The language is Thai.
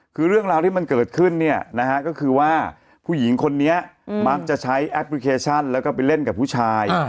คือเรื่องราวที่มันเกิดขึ้นเนี่ยนะฮะก็คือว่าผู้หญิงคนนี้มักจะใช้แอปพลิเคชันแล้วก็ไปเล่นกับผู้ชาย